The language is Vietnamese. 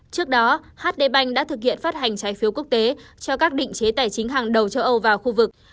trước đó hd bank đã thực hiện phát hành trái phiếu quốc tế cho các định chế tài chính hàng đầu châu âu và khu vực